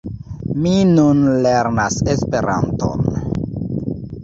Mi nun lernas Esperanton.